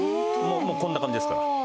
もうこんな感じですから。